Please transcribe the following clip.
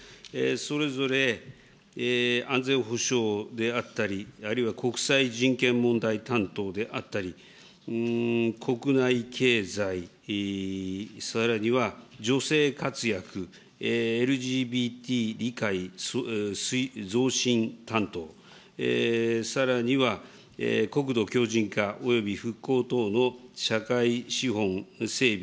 それぞれ安全保障であったり、あるいは国際人権問題担当であったり、国内経済、さらには女性活躍、ＬＧＢＴ理解増進担当、さらには国土強じん化および復興等の社会資本整備